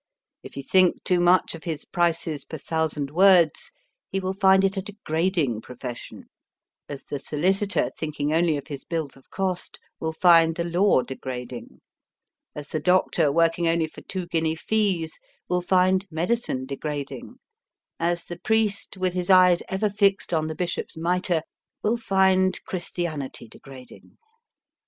If he think too much of his prices per thousand words, he will find it a degrading profession ; as the solicitor, thinking only of his bills of cost, will find the law degrading ; as the doctor, working only for two guinea fees, will find medicine degrading ; as the priest, with his eyes ever fixed on the bishop s mitre, will find Christianity degrading.